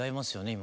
今。